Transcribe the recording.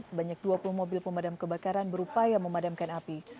sebanyak dua puluh mobil pemadam kebakaran berupaya memadamkan api